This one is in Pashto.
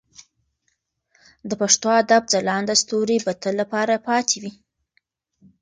د پښتو ادب ځلانده ستوري به د تل لپاره پاتې وي.